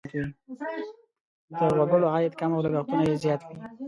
د وګړو عاید کم او لګښتونه یې زیات وي.